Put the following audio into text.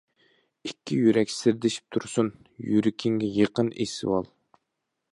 ئىككى يۈرەك سىردىشىپ تۇرسۇن، يۈرىكىڭگە يېقىن ئېسىۋال!